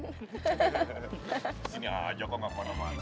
di sini aja kok gak ke mana mana